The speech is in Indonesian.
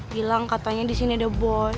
bilang katanya disini ada boy